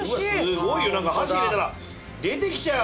すごいよ箸入れたら出てきちゃう。